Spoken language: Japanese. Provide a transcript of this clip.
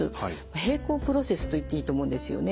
並行プロセスと言っていいと思うんですよね。